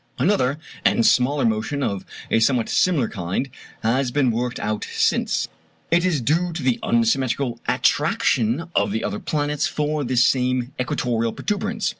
Another and smaller motion of a somewhat similar kind has been worked out since: it is due to the unsymmetrical attraction of the other planets for this same equatorial protuberance.